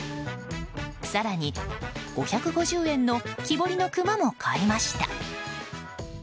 更に５５０円の木彫りの熊も買いました。